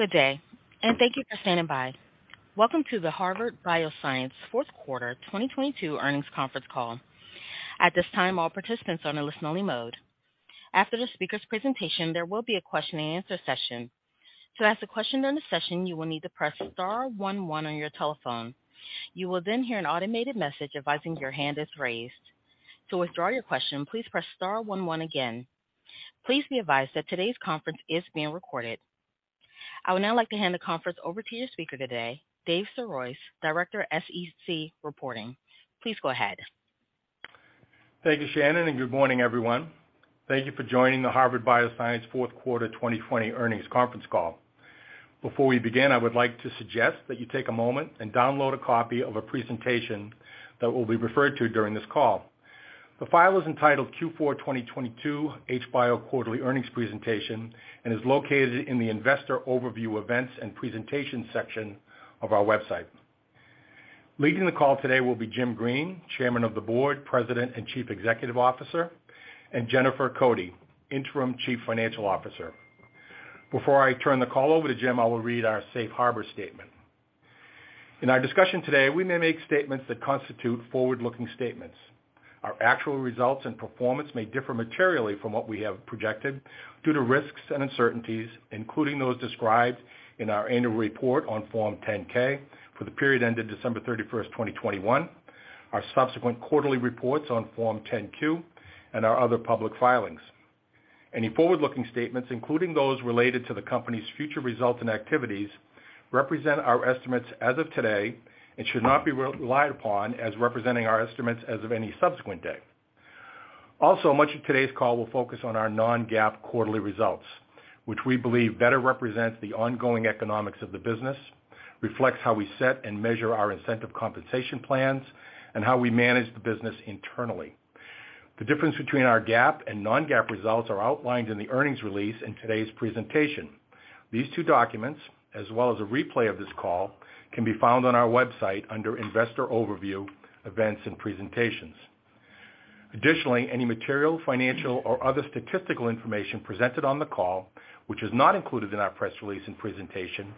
Good day. Thank you for standing by. Welcome to the Harvard Bioscience fourth quarter 2022 earnings conference call. At this time, all participants are in listen-only mode. After the speaker's presentation, there will be a question-and-answer session. To ask a question during the session, you will need to press star one one on your telephone. You will then hear an automated message advising your hand is raised. To withdraw your question, please press star one one again. Please be advised that today's conference is being recorded. I would now like to hand the conference over to your speaker today, Dave Sirois, Director of SEC Reporting. Please go ahead. Thank you, Shannon, and good morning, everyone. Thank you for joining the Harvard Bioscience fourth quarter 2020 earnings conference call. Before we begin, I would like to suggest that you take a moment and download a copy of a presentation that will be referred to during this call. The file is entitled Q4 2022 HBIO Quarterly Earnings Presentation and is located in the Investor Overview Events and Presentation section of our website. Leading the call today will be Jim Green, Chairman of the Board, President, and Chief Executive Officer, and Jennifer Cody, Interim Chief Financial Officer. Before I turn the call over to Jim, I will read our safe harbor statement. In our discussion today, we may make statements that constitute forward-looking statements. Our actual results and performance may differ materially from what we have projected due to risks and uncertainties, including those described in our annual report on Form 10-K for the period ended December 31st, 2021, our subsequent quarterly reports on Form 10-Q, and our other public filings. Any forward-looking statements, including those related to the company's future results and activities, represent our estimates as of today and should not be relied upon as representing our estimates as of any subsequent day. Also, much of today's call will focus on our non-GAAP quarterly results, which we believe better represents the ongoing economics of the business, reflects how we set and measure our incentive compensation plans, and how we manage the business internally. The difference between our GAAP and non-GAAP results are outlined in the earnings release in today's presentation. These two documents, as well as a replay of this call, can be found on our website under Investor Overview, Events and Presentations. Additionally, any material, financial, or other statistical information presented on the call, which is not included in our press release and presentation,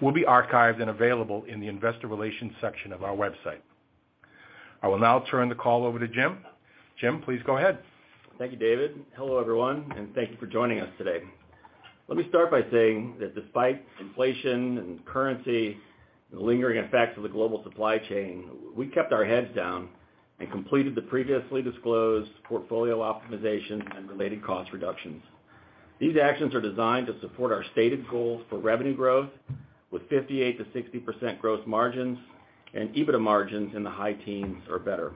will be archived and available in the Investor Relations section of our website. I will now turn the call over to Jim. Jim, please go ahead. Thank you, David. Hello, everyone, and thank you for joining us today. Let me start by saying that despite inflation and currency and the lingering effects of the global supply chain, we kept our heads down and completed the previously disclosed portfolio optimization and related cost reductions. These actions are designed to support our stated goals for revenue growth with 58%-60% growth margins and EBITDA margins in the high teens or better.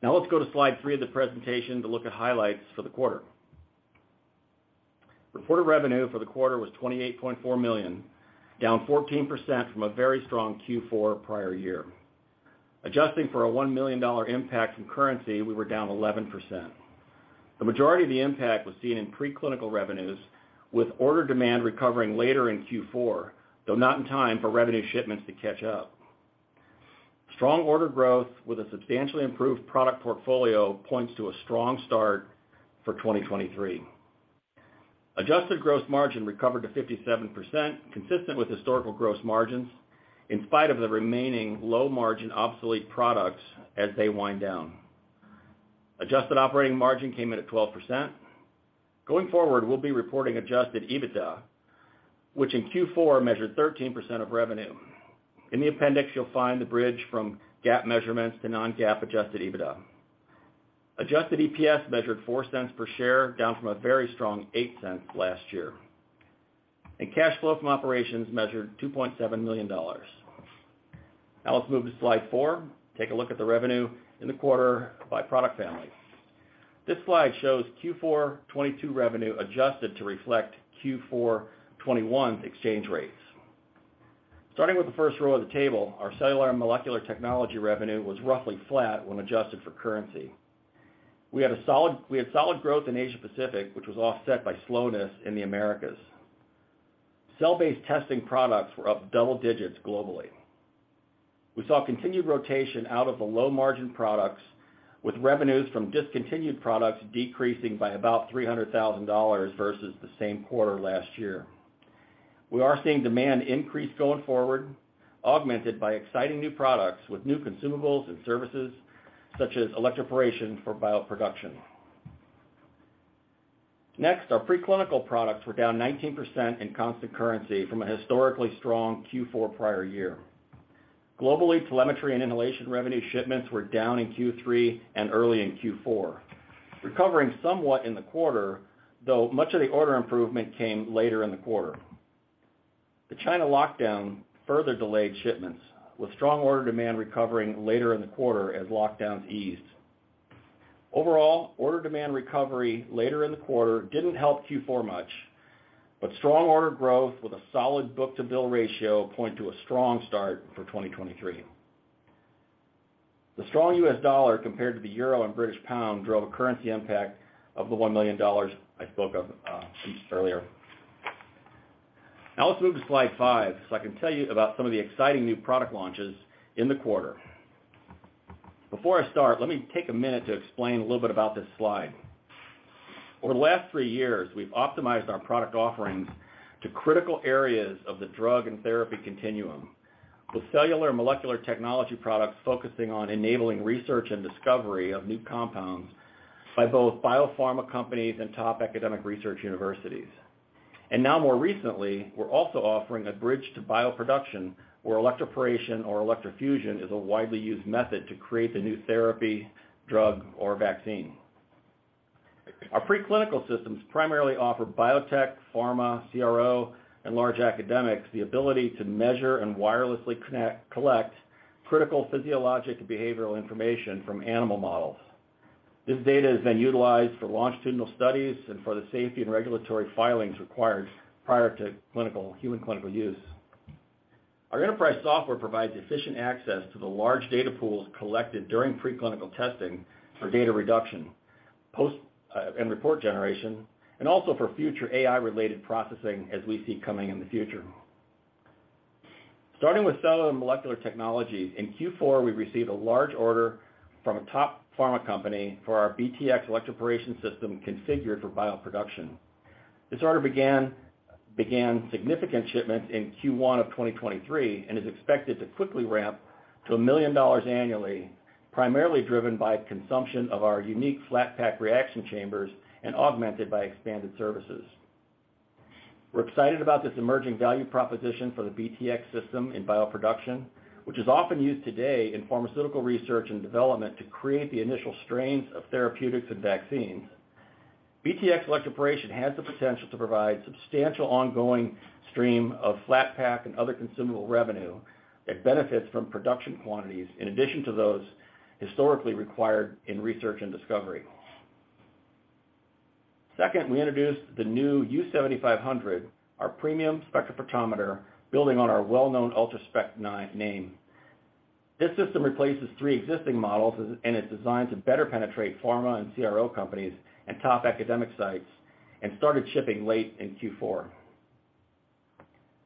Now, let's go to slide three of the presentation to look at highlights for the quarter. Reported revenue for the quarter was $28.4 million, down 14% from a very strong Q4 prior year. Adjusting for a $1 million impact from currency, we were down 11%. The majority of the impact was seen in preclinical revenues, with order demand recovering later in Q4, though not in time for revenue shipments to catch up. Strong order growth with a substantially improved product portfolio points to a strong start for 2023. Adjusted gross margin recovered to 57%, consistent with historical gross margins, in spite of the remaining low-margin obsolete products as they wind down. Adjusted operating margin came in at 12%. Going forward, we'll be reporting Adjusted EBITDA, which in Q4 measured 13% of revenue. In the appendix, you'll find the bridge from GAAP measurements to non-GAAP Adjusted EBITDA. Adjusted EPS measured $0.04 per share, down from a very strong $0.08 last year. Cash flow from operations measured $2.7 million. Let's move to slide four, take a look at the revenue in the quarter by product family. This slide shows Q4 2022 revenue adjusted to reflect Q4 2021 exchange rates. Starting with the first row of the table, our cellular and molecular technology revenue was roughly flat when adjusted for currency. We had solid growth in Asia-Pacific, which was offset by slowness in the Americas. Cell-based testing products were up double digits globally. We saw continued rotation out of the low-margin products, with revenues from discontinued products decreasing by about $300,000 versus the same quarter last year. We are seeing demand increase going forward, augmented by exciting new products with new consumables and services, such as electroporation for bioproduction. Next, our preclinical products were down 19% in constant currency from a historically strong Q4 prior year. Globally, telemetry and inhalation revenue shipments were down in Q3 and early in Q4, recovering somewhat in the quarter, though much of the order improvement came later in the quarter. The China lockdown further delayed shipments, with strong order demand recovering later in the quarter as lockdowns eased. Overall, order demand recovery later in the quarter didn't help Q4 much, but strong order growth with a solid book-to-bill ratio point to a strong start for 2023. The strong U.S. dollar compared to the euro and British pound drove a currency impact of $1 million I spoke of just earlier. Now let's move to slide five, so I can tell you about some of the exciting new product launches in the quarter. Before I start, let me take a minute to explain a little bit about this slide. Over the last three years, we've optimized our product offerings to critical areas of the drug and therapy continuum, with cellular and molecular technology products focusing on enabling research and discovery of new compounds by both biopharma companies and top academic research universities. Now more recently, we're also offering a bridge to bioproduction, where electroporation or electrofusion is a widely used method to create the new therapy, drug, or vaccine. Our preclinical systems primarily offer biotech, pharma, CRO, and large academics the ability to measure and wirelessly collect critical physiologic and behavioral information from animal models. This data is then utilized for longitudinal studies and for the safety and regulatory filings required prior to human clinical use. Our enterprise software provides efficient access to the large data pools collected during preclinical testing for data reduction, and report generation, and also for future AI-related processing as we see coming in the future. Starting with cellular and molecular technology, in Q4, we received a large order from a top pharma company for our BTX electroporation system configured for bioproduction. This order began significant shipments in Q1 of 2023 and is expected to quickly ramp to $1 million annually, primarily driven by consumption of our unique Flatpack reaction chambers and augmented by expanded services. We're excited about this emerging value proposition for the BTX system in bioproduction, which is often used today in pharmaceutical research and development to create the initial strains of therapeutics and vaccines. BTX electroporation has the potential to provide substantial ongoing stream of Flatpack and other consumable revenue that benefits from production quantities in addition to those historically required in research and discovery. Second, we introduced the new U7500, our premium spectrophotometer, building on our well-known Ultrospec name. This system replaces three existing models and is designed to better penetrate pharma and CRO companies and top academic sites, and started shipping late in Q4.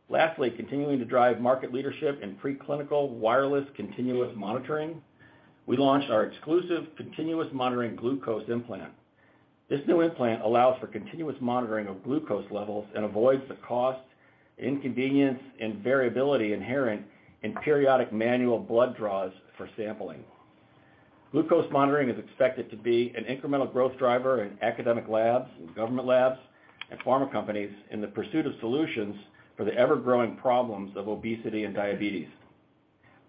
Lastly, continuing to drive market leadership in preclinical wireless continuous monitoring, we launched our exclusive continuous monitoring glucose implant. This new implant allows for continuous monitoring of glucose levels and avoids the cost, inconvenience, and variability inherent in periodic manual blood draws for sampling. Glucose monitoring is expected to be an incremental growth driver in academic labs, and government labs, and pharma companies in the pursuit of solutions for the ever-growing problems of obesity and diabetes.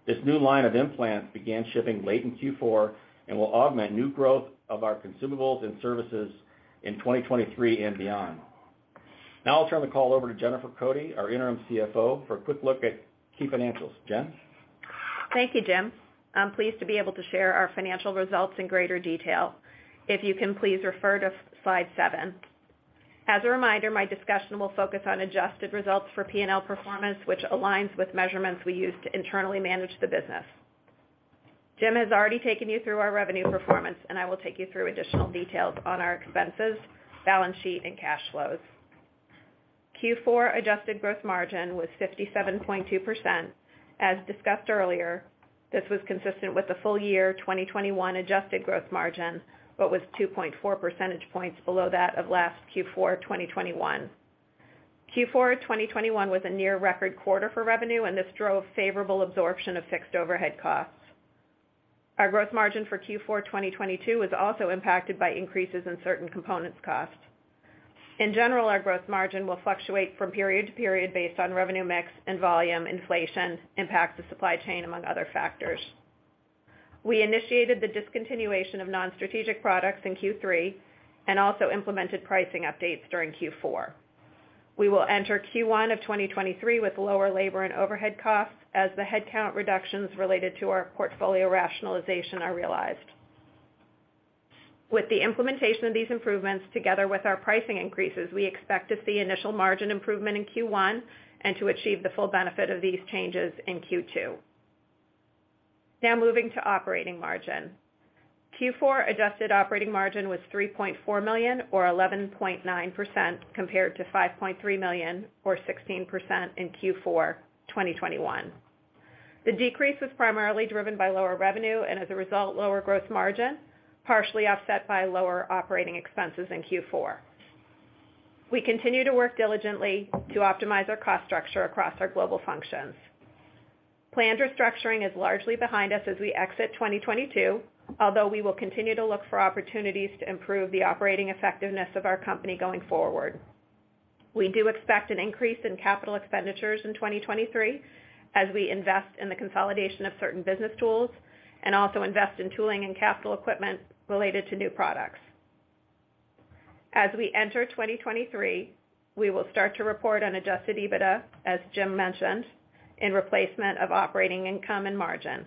This new line of implants began shipping late in Q4 and will augment new growth of our consumables and services in 2023 and beyond. Now, I'll turn the call over to Jennifer Cody, our Interim CFO, for a quick look at key financials. Jen? Thank you, Jim. I'm pleased to be able to share our financial results in greater detail. If you can, please refer to slide seven. As a reminder, my discussion will focus on adjusted results for P&L performance, which aligns with measurements we use to internally manage the business. Jim has already taken you through our revenue performance, and I will take you through additional details on our expenses, balance sheet, and cash flows. Q4 adjusted growth margin was 57.2%. As discussed earlier, this was consistent with the full year 2021 adjusted growth margin, but was 2.4 percentage points below that of last Q4 2021. Q4 2021 was a near record quarter for revenue, and this drove favorable absorption of fixed overhead costs. Our growth margin for Q4 2022 was also impacted by increases in certain components costs. In general, our growth margin will fluctuate from period to period based on revenue mix and volume, inflation, impact to supply chain, among other factors. We initiated the discontinuation of non-strategic products in Q3 and also implemented pricing updates during Q4. We will enter Q1 of 2023 with lower labor and overhead costs as the headcount reductions related to our portfolio rationalization are realized. With the implementation of these improvements, together with our pricing increases, we expect to see initial margin improvement in Q1 and to achieve the full benefit of these changes in Q2. Now moving to operating margin. Q4 adjusted operating margin was $3.4 million or 11.9% compared to $5.3 million or 16% in Q4 2021. The decrease was primarily driven by lower revenue and, as a result, lower gross margin, partially offset by lower operating expenses in Q4. We continue to work diligently to optimize our cost structure across our global functions. Planned restructuring is largely behind us as we exit 2022, although we will continue to look for opportunities to improve the operating effectiveness of our company going forward. We do expect an increase in capital expenditures in 2023 as we invest in the consolidation of certain business tools and also invest in tooling and capital equipment related to new products. As we enter 2023, we will start to report on Adjusted EBITDA, as Jim mentioned, in replacement of operating income and margin.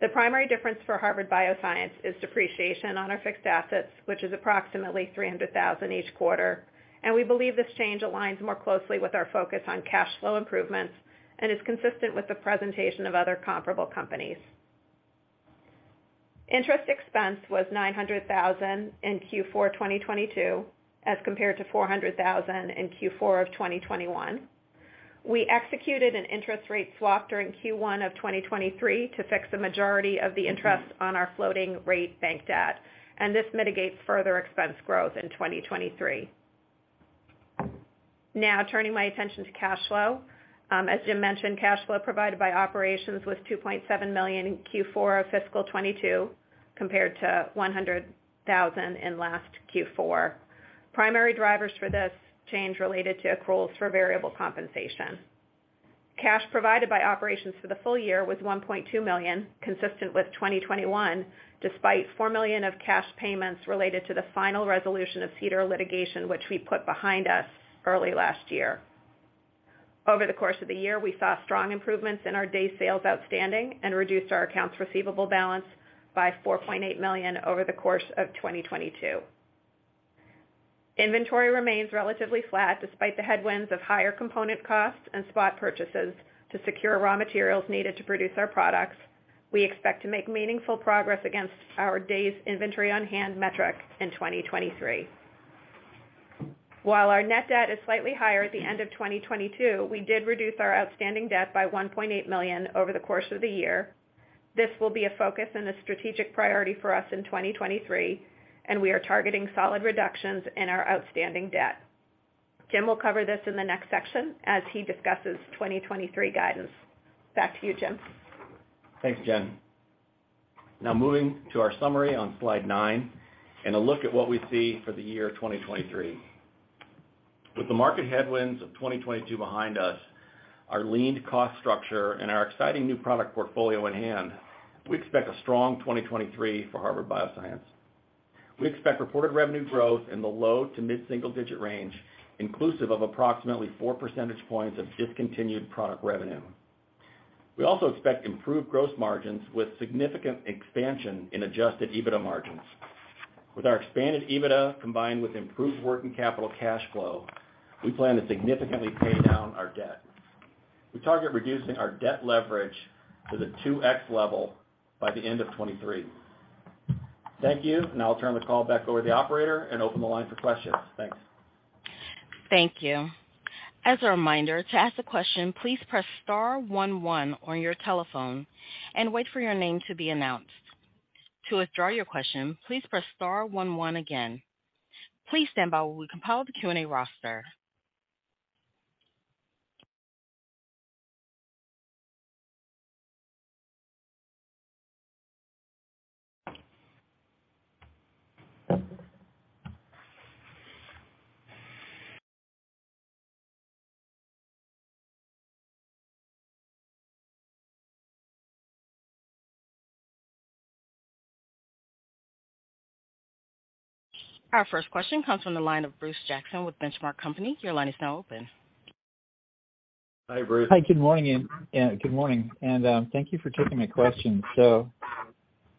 The primary difference for Harvard Bioscience is depreciation on our fixed assets, which is approximately $300,000 each quarter and we believe this change aligns more closely with our focus on cash flow improvements and is consistent with the presentation of other comparable companies. Interest expense was $900,000 in Q4 2022 as compared to $400,000 in Q4 2021. We executed an interest rate swap during Q1 of 2023 to fix the majority of the interest on our floating rate bank debt and this mitigates further expense growth in 2023. Now turning my attention to cash flow. As Jim mentioned, cash flow provided by operations was $2.7 million in Q4 of fiscal 2022 compared to $100,000 in last Q4. Primary drivers for this change related to accruals for variable compensation. Cash provided by operations for the full year was $1.2 million, consistent with 2021, despite $4 million of cash payments related to the final resolution of Biostage litigation, which we put behind us early last year. Over the course of the year, we saw strong improvements in our days sales outstanding and reduced our accounts receivable balance by $4.8 million over the course of 2022. Inventory remains relatively flat despite the headwinds of higher component costs and spot purchases to secure raw materials needed to produce our products. We expect to make meaningful progress against our days inventory on-hand metric in 2023. While our net debt is slightly higher at the end of 2022, we did reduce our outstanding debt by $1.8 million over the course of the year. This will be a focus and a strategic priority for us in 2023, and we are targeting solid reductions in our outstanding debt. Jim will cover this in the next section as he discusses 2023 guidance. Back to you, Jim. Thanks, Jen. Now, moving to our summary on slide nine and a look at what we see for the year 2023. With the market headwinds of 2022 behind us, our leaned cost structure and our exciting new product portfolio in hand, we expect a strong 2023 for Harvard Bioscience. We expect reported revenue growth in the low to mid-single digit range, inclusive of approximately 4 percentage points of discontinued product revenue. We also expect improved gross margins with significant expansion in Adjusted EBITDA margins. With our expanded EBITDA combined with improved working capital cash flow, we plan to significantly pay down our debt. We target reducing our debt leverage to the 2x level by the end of 23. Thank you. Now I'll turn the call back over to the operator and open the line for questions. Thanks. Thank you. As a reminder, to ask a question, please press star one one on your telephone and wait for your name to be announced. To withdraw your question, please press star one one again. Please stand by while we compile the Q&A roster. Our first question comes from the line of Bruce Jackson with Benchmark Company. Your line is now open. Hi, Bruce. Hi. Good morning. Good morning, and thank you for taking my question. You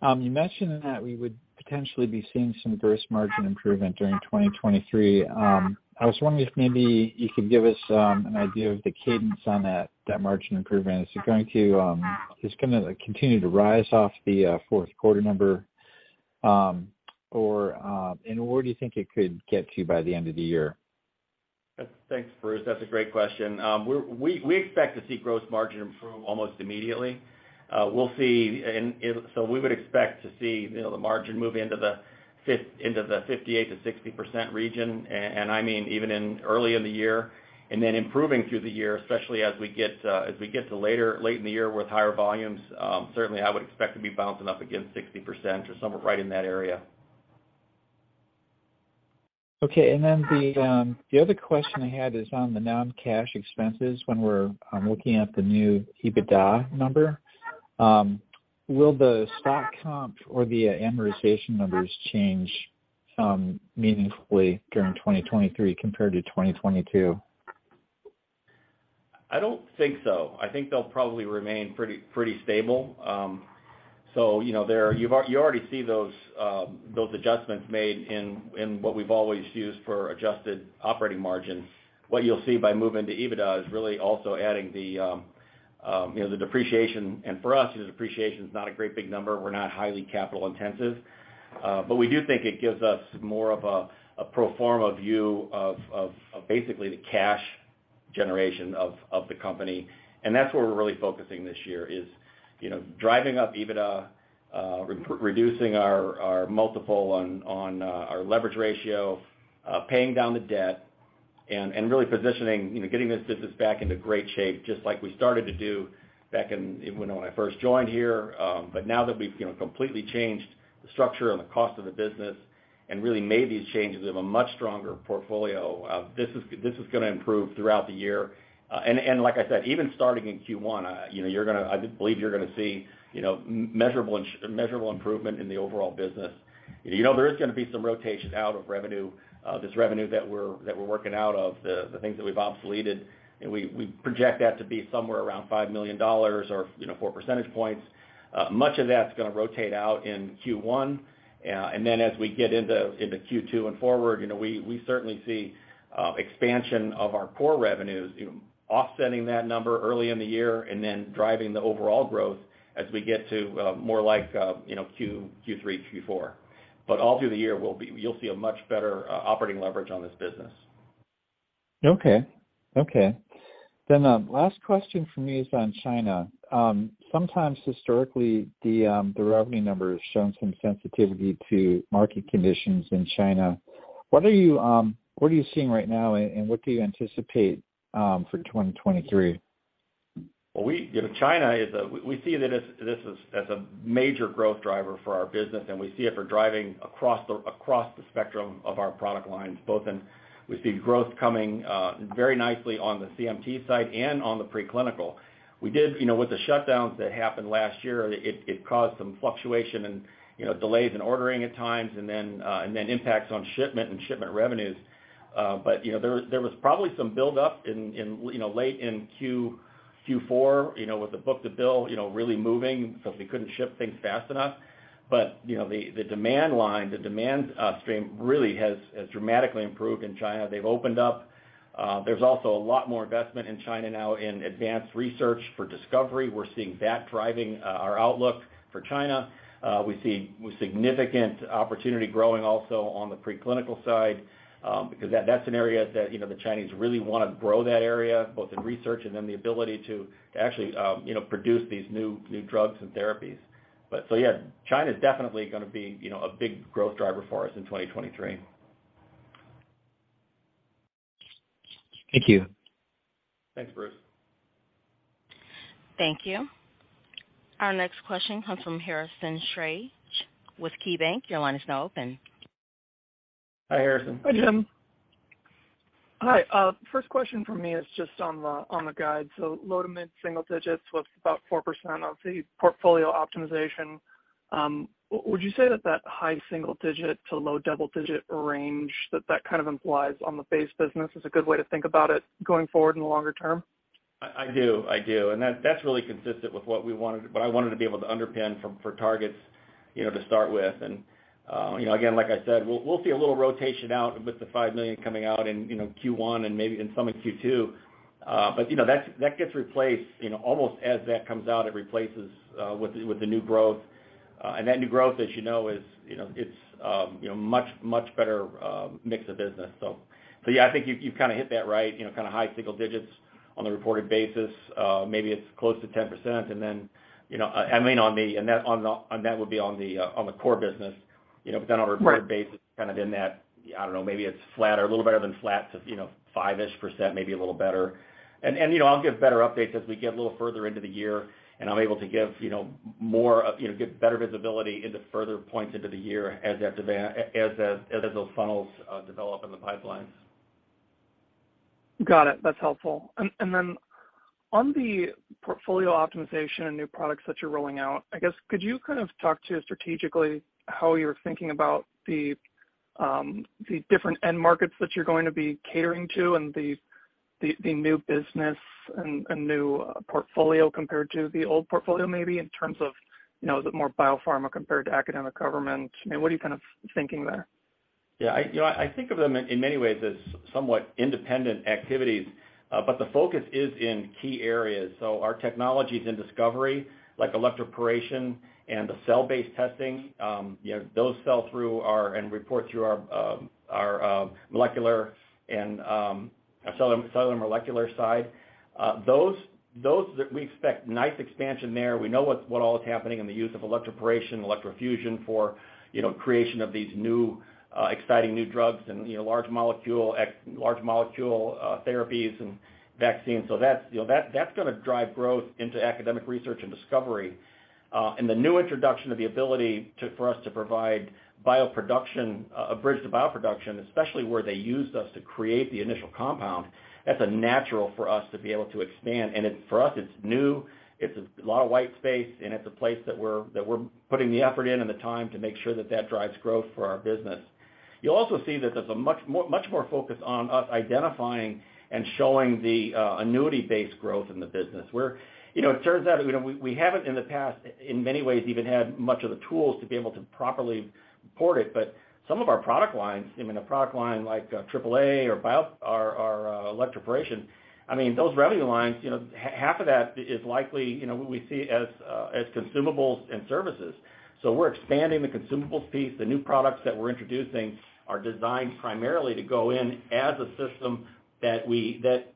mentioned that we would potentially be seeing some gross margin improvement during 2023. I was wondering if maybe you could give us an idea of the cadence on that margin improvement. Is it going to continue to rise off the fourth quarter number, or, and where do you think it could get to by the end of the year? Thanks, Bruce. That's a great question. We expect to see gross margin improve almost immediately. We would expect to see the margin move into the 58%-60% region, and I mean, even in early in the year and then improving through the year, especially as we get to late in the year with higher volumes, certainly I would expect to be bouncing up against 60% or somewhere right in that area. Okay and then the other question I had is on the non-cash expenses when we're looking at the new EBITDA number, will the stock comp or the amortization numbers change meaningfully during 2023 compared to 2022? I don't think so. I think they'll probably remain pretty stable. You know, you already see those adjustments made in what we've always used for adjusted operating margins. What you'll see by moving to EBITDA is really also adding the, you know, the depreciation and for us, the depreciation is not a great big number. We're not highly capital intensive, but we do think it gives us more of a pro forma view of basically the cash generation of the company. That's where we're really focusing this year is, you know, driving up EBITDA, reducing our multiple on our leverage ratio, paying down the debt and really positioning, you know, getting this business back into great shape, just like we started to do back in, you know, when I first joined here, but now that we've, you know, completely changed the structure and the cost of the business and really made these changes, we have a much stronger portfolio. This is going to improve throughout the year. Like I said, even starting in Q1, you know, I believe you're gonna see, you know, measurable improvement in the overall business. You know, there is gonna be some rotation out of revenue, this revenue that we're working out of the things that we've obsoleted, and we project that to be somewhere around $5 million or, you know, 4 percentage points. Much of that's gonna rotate out in Q1, and then as we get into Q2 and forward, you know, we certainly see expansion of our core revenues, you know, offsetting that number early in the year and then driving the overall growth as we get to more like, you know, Q3, Q4, but all through the year, you'll see a much better operating leverage on this business. Okay. Okay. Then, last question for me is on China. Sometimes historically the revenue number has shown some sensitivity to market conditions in China. What are you, what are you seeing right now, and what do you anticipate for 2023? You know, China. We see it as a major growth driver for our business, and we see it for driving across the spectrum of our product lines, both in. We see growth coming very nicely on the CMT side and on the preclinical. We did, you know, with the shutdowns that happened last year, it caused some fluctuation and, you know, delays in ordering at times and then impacts on shipment and shipment revenues. You know, there was probably some buildup in, you know, late in Q4, you know, with the book-to-bill, you know, really moving, so we couldn't ship things fast enough. You know, the demand line, the demand stream really has dramatically improved in China. They've opened up. There's also a lot more investment in China now in advanced research for discovery. We're seeing that driving our outlook for China. We see significant opportunity growing also on the preclinical side, because that's an area that, you know, the Chinese really wanna grow that area, both in research and then the ability to actually, you know, produce these new drugs and therapies. Yeah, China's definitely gonna be, you know, a big growth driver for us in 2023. Thank you. Thanks, Bruce. Thank you. Our next question comes from Harrison Schrage with KeyBanc. Your line is now open. Hi, Harrison. Hi, Jim. Hi. First question from me is just on the, on the guide, so low to mid single digits with about 4% of the portfolio optimization. Would you say that that high single digit to low double digit range, that that kind of implies on the base business is a good way to think about it going forward in the longer term? I do. I do and that's really consistent with what we wanted, what I wanted to be able to underpin for targets, you know, to start with. Again, like I said, we'll see a little rotation out with the $5 million coming out in, you know, Q1 and maybe in some of Q2. But, you know, that gets replaced, you know, almost as that comes out, it replaces with the new growth. That new growth, as you know, is, you know, it's, you know, much, much better mix of business. Yeah, I think you've kind of hit that right, you know, kind of high single digits on the reported basis. maybe it's close to 10% and then, you know, I mean, and that wound be on the core business. You know, but then. Right reported basis, kind of in that, I don't know, maybe it's flat or a little better than flat, so it's, you know, 5-ish%, maybe a little better. You know, I'll give better updates as we get a little further into the year, and I'm able to give, you know, more of, you know, give better visibility into further points into the year as those funnels develop in the pipelines. Got it. That's helpful. On the portfolio optimization and new products that you're rolling out, I guess, could you kind of talk to strategically how you're thinking about the different end markets that you're going to be catering to and the new business and new portfolio compared to the old portfolio maybe in terms of, you know, the more biopharma compared to academic government? You know, what are you kind of thinking there? Yeah, I, you know, I think of them in many ways as somewhat independent activities, but the focus is in key areas. Our technologies in discovery, like electroporation and the cell-based testing, you know, those sell through our and report through our Molecular and our Cellular and Molecular side. Those that we expect nice expansion there. We know what all is happening in the use of electroporation and electrofusion for, you know, creation of these new, exciting new drugs and, you know, large molecule therapies and vaccines. That's, you know, that's gonna drive growth into academic research and discovery. The new introduction of the ability to, for us to provide bioproduction, a bridge to bioproduction, especially where they used us to create the initial compound, that's a natural for us to be able to expand. For us, it's new, it's a lot of white space, and it's a place that we're putting the effort in and the time to make sure that that drives growth for our business. You'll also see that there's a much more focus on us identifying and showing the annuity-based growth in the business. We're, you know, it turns out, you know, we haven't in the past, in many ways, even had much of the tools to be able to properly report it, but some of our product lines, I mean, a product line like AAA or electroporation, I mean, those revenue lines, you know, half of that is likely, you know, what we see as consumables and services. We're expanding the consumables piece. The new products that we're introducing are designed primarily to go in as a system that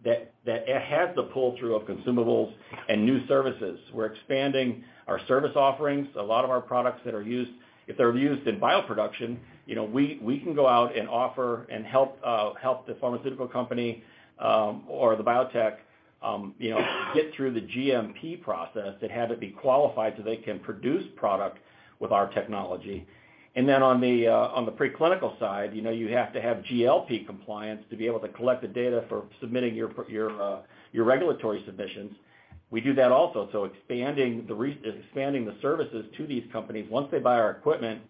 it has the pull-through of consumables and new services. We're expanding our service offerings. A lot of our products that are used, if they're used in bioproduction, you know, we can go out and offer and help the pharmaceutical company or the biotech, you know, get through the GMP process that had to be qualified so they can produce product with our technology. On the preclinical side, you know, you have to have GLP compliance to be able to collect the data for submitting your regulatory submissions. We do that also, so expanding the services to these companies once they buy our equipment.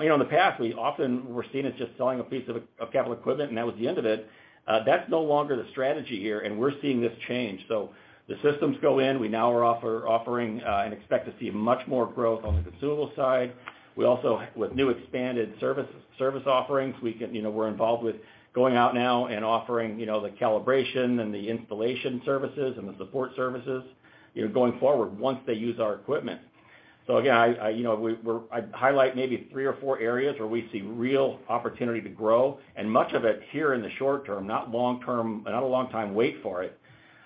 You know, in the past, we often were seen as just selling a piece of capital equipment, and that was the end of it. That's no longer the strategy here, and we're seeing this change. The systems go in. We now are offering and expect to see much more growth on the consumable side. We also, with new expanded service offerings, we can, you know, we're involved with going out now and offering, you know, the calibration and the installation services and the support services, you know, going forward once they use our equipment. Again, I, you know, I'd highlight maybe three or four areas where we see real opportunity to grow, and much of it here in the short term, not long term, not a long time wait for it.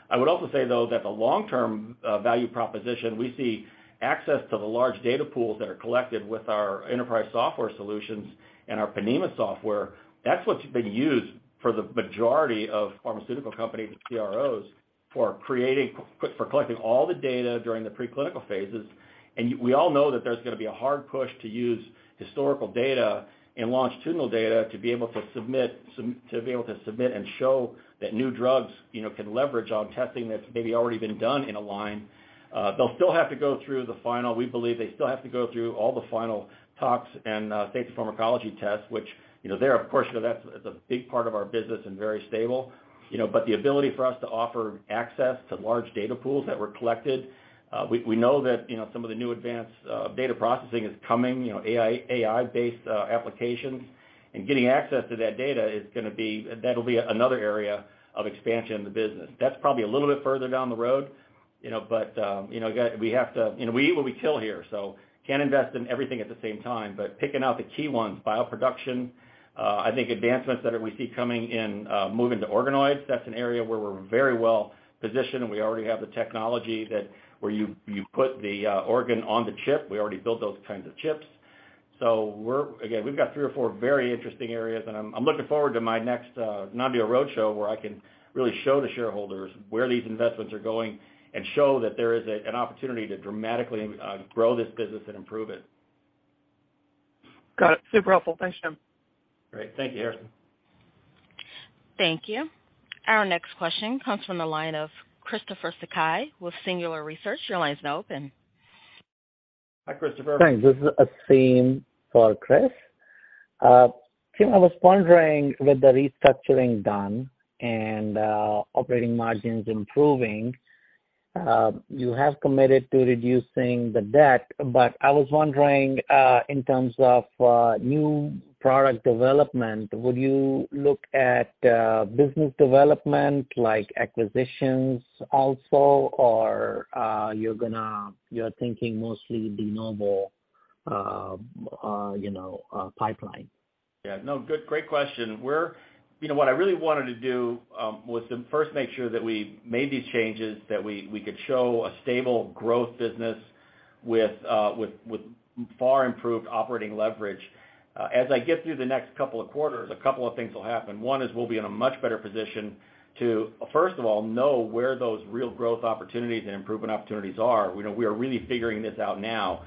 I would also say, though, that the long-term value proposition, we see access to the large data pools that are collected with our enterprise software solutions and our Ponemah software. That's what's been used for the majority of pharmaceutical companies and CROs for collecting all the data during the preclinical phases and we all know that there's gonna be a hard push to use historical data and longitudinal data to be able to submit, to be able to submit and show that new drugs, you know, can leverage on testing that's maybe already been done in a line. We believe they still have to go through all the final tox and pharmacology tests, which, you know, there, of course, you know, that's a big part of our business and very stable. You know, but the ability for us to offer access to large data pools that were collected, we know that, you know, some of the new advanced data processing is coming, you know, AI-based applications and getting access to that data that'll be another area of expansion in the business. That's probably a little bit further down the road, you know, but, you know, again, we have to... You know, we eat what we kill here, so can't invest in everything at the same time, but picking out the key ones, bioproduction, I think advancements that we see coming in, moving to organoids, that's an area where we're very well-positioned, and we already have the technology that where you put the organ on the chip. We already built those kinds of chips. Again, we've got three or four very interesting areas, and I'm looking forward to my next non-deal roadshow, where I can really show the shareholders where these investments are going and show that there is an opportunity to dramatically grow this business and improve it. Got it. Super helpful. Thanks, Jim. Great. Thank you, Harrison. Thank you. Our next question comes from the line of Christopher Sakai with Singular Research. Your line's now open. Hi, Christopher. Thanks. This is Aseem for Chris. Jim, I was wondering, with the restructuring done and operating margins improving, you have committed to reducing the debt. I was wondering, in terms of new product development, would you look at business development like acquisitions also? Or you're thinking mostly de novo, you know, pipeline? No, great question. We're, you know, what I really wanted to do was to first make sure that we made these changes, that we could show a stable growth business with far improved operating leverage. As I get through the next couple of quarters, a couple of things will happen. One is we'll be in a much better position to, first of all, know where those real growth opportunities and improvement opportunities are. You know, we are really figuring this out now.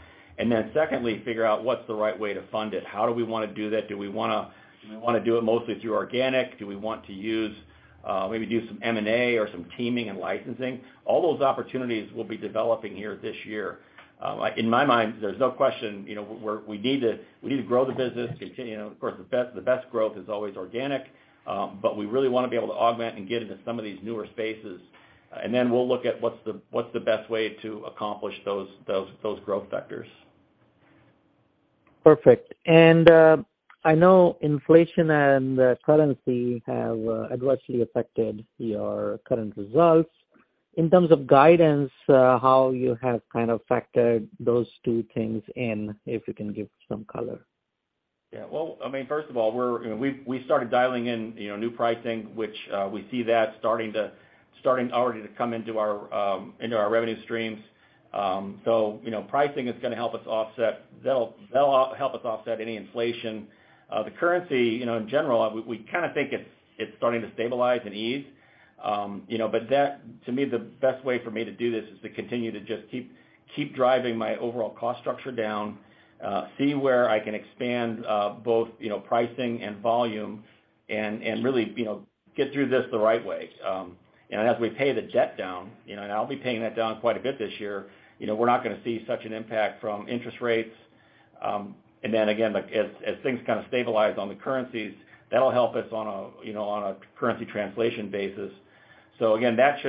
Secondly, figure out what's the right way to fund it. How do we wanna do that? Do we wanna do it mostly through organic? Do we want to use, maybe do some M&A or some teaming and licensing? All those opportunities we'll be developing here this year. In my mind, there's no question, you know, we need to grow the business, continue, you know, of course, the best growth is always organic, but we really wanna be able to augment and get into some of these newer spaces and then we'll look at what's the best way to accomplish those growth vectors. Perfect. I know inflation and currency have adversely affected your current results. In terms of guidance, how you have kind of factored those two things in, if you can give some color? Yeah. Well, I mean, first of all, we're, you know, we started dialing in, you know, new pricing, which, we see that starting already to come into our revenue streams. You know, pricing is gonna help us offset. That'll help us offset any inflation. The currency, you know, in general, we kinda think it's starting to stabilize and ease. You know, but that to me, the best way for me to do this is to continue to just keep driving my overall cost structure down, see where I can expand, both, you know, pricing and volume and really, you know, get through this the right way. You know, as we pay the debt down, you know, and I'll be paying that down quite a bit this year, you know, we're not gonna see such an impact from interest rates. Again, like as things kinda stabilize on the currencies, that'll help us on a, you know, on a currency translation basis. Again, we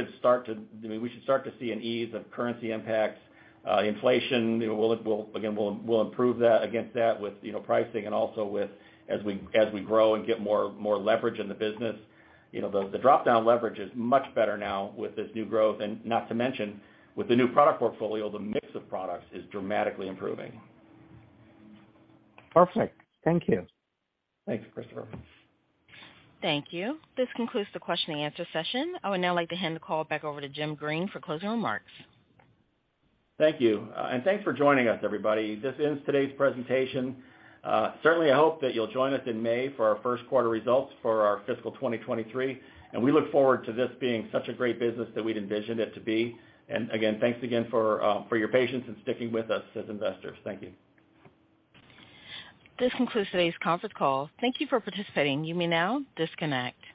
should start to see an ease of currency impacts, inflation. You know, we'll again improve that, against that with, you know, pricing and also with, as we grow and get more leverage in the business. You know, the dropdown leverage is much better now with this new growth and not to mention, with the new product portfolio, the mix of products is dramatically improving. Perfect. Thank you. Thanks, Christopher. Thank you. This concludes the question and answer session. I would now like to hand the call back over to Jim Green for closing remarks. Thank you. Thanks for joining us, everybody. This ends today's presentation. Certainly, I hope that you'll join us in May for our first quarter results for our fiscal 2023, and we look forward to this being such a great business that we'd envisioned it to be. Again, thanks again for your patience and sticking with us as investors. Thank you. This concludes today's conference call. Thank you for participating. You may now disconnect.